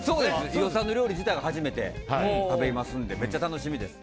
飯尾さんの料理自体初めて食べますのでめっちゃ楽しみです。